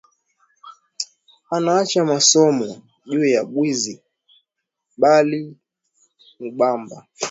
Anaacha masomo juya bwizi bali mubamba